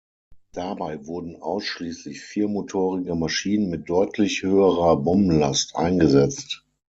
Dabei wurden ausschließlich viermotorige Maschinen mit deutlich höherer Bombenlast eingesetzt.